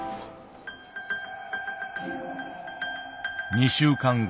２週間後。